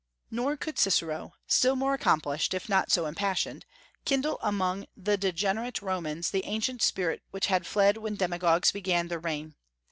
Nor could Cicero still more accomplished, if not so impassioned kindle among the degenerate Romans the ancient spirit which had fled when demagogues began their reign.